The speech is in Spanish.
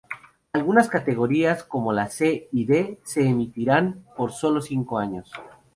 Algunas categorías, como las C y D se emitirán por sólo cinco años.